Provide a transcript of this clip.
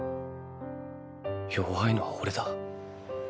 弱いのはオレだ。